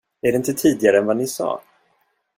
Är det inte tidigare än vad ni sa?